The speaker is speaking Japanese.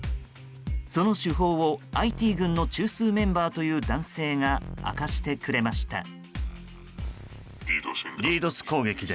その手法を、ＩＴ軍の中枢メンバーという男性が明かしてくれました。